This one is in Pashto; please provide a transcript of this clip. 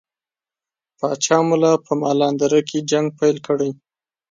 پاچا ملا په مالان دره کې جنګ پیل کړي.